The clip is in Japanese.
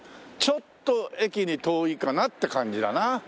ちょっと駅に遠いかなって感じだな。